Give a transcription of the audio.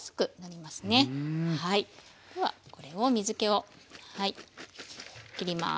ではこれを水けをはいきります。